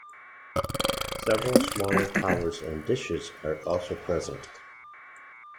Several smaller towers and dishes are also present.